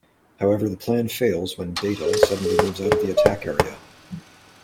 However the plan fails when Data suddenly moves out of the attack area.